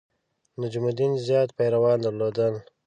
نجم الدین زیات پیروان درلودل.